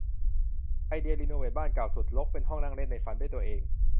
ไอเดียรีโนเวทบ้านเก่าสุดรกเป็นห้องนั่งเล่นในฝันด้วยตัวเอง